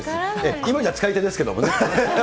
今じゃ使い手ですけれどもね。